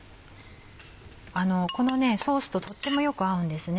このソースととってもよく合うんですね。